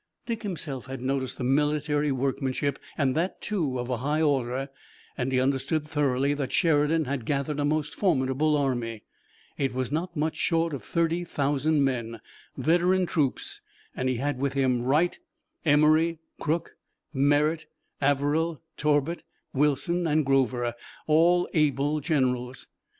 Dick himself had noticed the military workmanship and that, too, of a high order, and he understood thoroughly that Sheridan had gathered a most formidable army. It was not much short of thirty thousand men, veteran troops, and he had with him Wright, Emory, Crook, Merritt, Averill, Torbert, Wilson and Grover, all able generals.